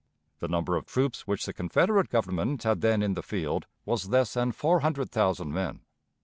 The number of troops which the Confederate Government had then in the field was less than four hundred thousand men.